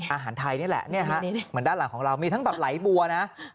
อาหารไทยนี่แหละเหมือนด้านหลังของเรามีทั้งแบบไหลบัวนะ